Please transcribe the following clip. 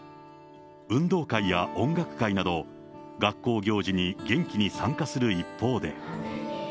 運動会や音楽会など、学校行事に元気に参加する一方で。